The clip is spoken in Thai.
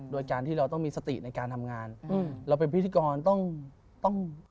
โดยการที่เราต้องมีสติในการทำงานเราเป็นพิธีกรต้องต้อง